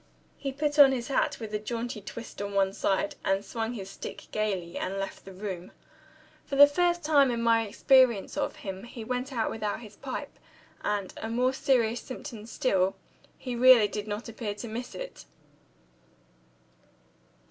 He put on his hat (with a jaunty twist on one side), and swung his stick gaily, and left the room. For the first time, in my experience of him, he went out without his pipe; and (a more serious symptom still) he really did not appear to miss it.